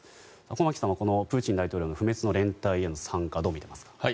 駒木さんはこのプーチン大統領の不滅の連隊への参加どう見ていますか？